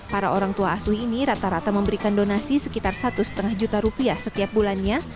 para orang tua asuh ini rata rata memberikan donasi sekitar satu lima juta rupiah setiap bulannya